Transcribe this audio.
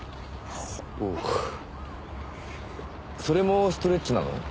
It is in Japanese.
それもストレッチなの？